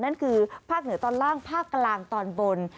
นั่นคือภาคเหนือตอนล่างภาคกลางตอนบน